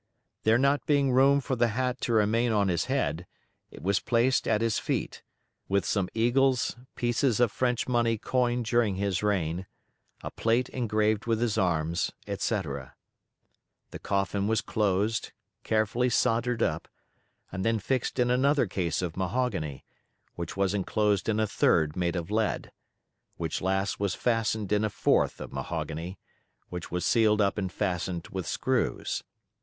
There not being room for the hat to remain on his head, it was placed at his feet, with some eagles, pieces of French money coined during his reign, a plate engraved with his arms, etc. The coffin was closed, carefully soldered up, and then fixed in another case of mahogany, which was enclosed in a third made of lead, which last was fastened in a fourth of mahogany, which was sealed up and fastened with screws.